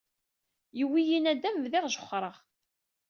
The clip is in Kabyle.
Yewwi-yi nadam, bdiɣ jexxreɣ.